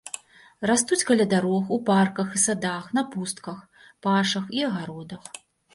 Растуць каля дарог, у парках і садах, на пустках, пашах і агародах.